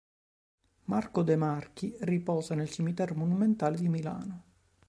Marco De Marchi riposa nel Cimitero Monumentale di Milano.